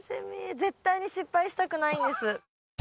絶対に失敗したくないんです。